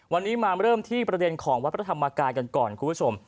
วันนี้มาเริ่มที่ประเด็นของวัดพระธรรมกายกันก่อนคุณผู้ชม